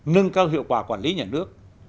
nâng cao hiệu quả quản lý nhà nước